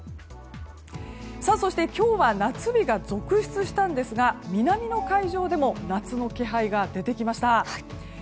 そして、今日は夏日が続出したんですが南の海上でも夏の気配が出てきました。